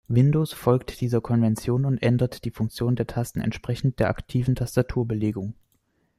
Windows folgt dieser Konvention und ändert die Funktion der Taste entsprechend der aktiven Tastaturbelegung.